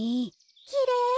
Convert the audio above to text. きれい！